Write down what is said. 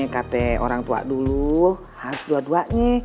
kata orang tua dulu harus dua duanya